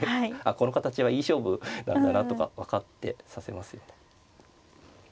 この形はいい勝負なんだなとか分かって指せますよね。